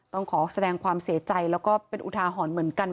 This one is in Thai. ต้องขอแสดงความเสียใจแล้วก็เป็นอุทาหรณ์เหมือนกัน